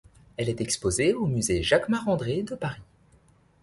Elle est exposée au Musée Jacquemart-André de Paris.